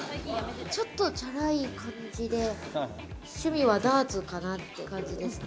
ちょっとチャラい感じで、趣味はダーツかなって感じです。